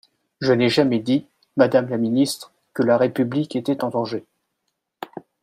Je n’ai jamais dit, madame la ministre, que la République était en danger.